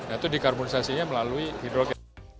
itu dikarbonisasinya melalui hidrogen